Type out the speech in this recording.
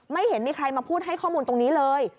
ไม่เห็นมีใครมาพูดให้ข้อมูลตรงนี้เลย